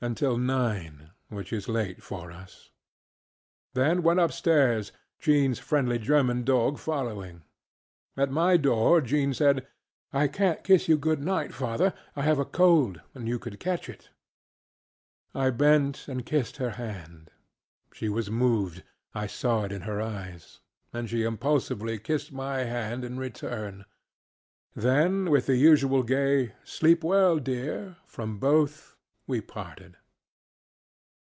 ŌĆöuntil nineŌĆöwhich is late for usŌĆöthen went upstairs, JeanŌĆÖs friendly German dog following. At my door Jean said, ŌĆ£I canŌĆÖt kiss you good night, father: I have a cold, and you could catch it. ŌĆØ I bent and kissed her hand. She was movedŌĆöI saw it in her eyesŌĆöand she impulsively kissed my hand in return. Then with the usual gay ŌĆ£Sleep well, dear! ŌĆØ from both, we parted.